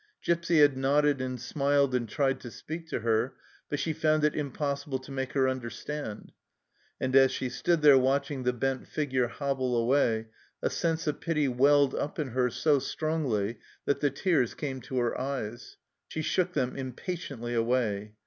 Gipsy had nodded and smiled and tried to speak to her, but she found it impossible to make her understand, and as she stood there watching the bent figure hobble away, a sense of pity welled up in her so strongly that the tears came to her eyes. She shook them impatiently away.